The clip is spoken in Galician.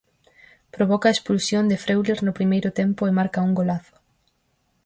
Provoca a expulsión de Freuler no primeiro tempo e marca un golazo.